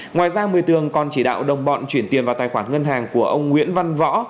ngoài ra mười tường còn chỉ đạo đồng bọn chuyển tiền vào tài khoản ngân hàng của ông nguyễn văn võ